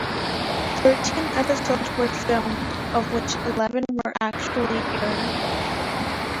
Thirteen episodes were filmed, of which eleven were actually aired.